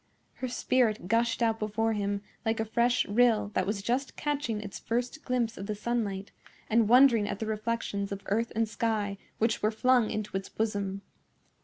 Her spirit gushed out before him like a fresh rill that was just catching its first glimpse of the sunlight and wondering at the reflections of earth and sky which were flung into its bosom.